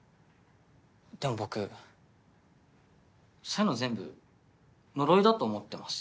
でも僕そういうの全部呪いだと思ってます。